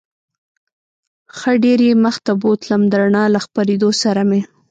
ښه ډېر یې مخ ته بوتلم، د رڼا له خپرېدو سره مې.